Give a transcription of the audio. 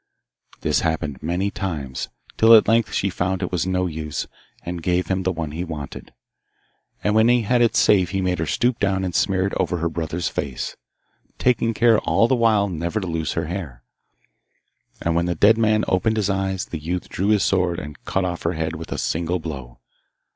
This happened many times, till at length she found it was no use, and gave him the one he wanted. And when he had it safe he made her stoop down and smear it over his brother's face, taking care all the while never to loose her hair, and when the dead man opened his eyes the youth drew his sword and cut off her head with a single blow.